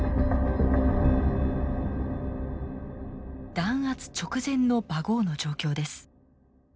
弾圧直前のバゴーの状況です。